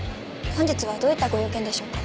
本日はどういったご用件でしょうか？